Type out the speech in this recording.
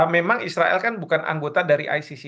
memang israel kan bukan anggota dari icc